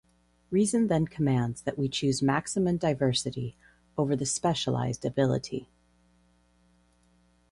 Reason then commands that we choose maximum diversity over the specialized ability.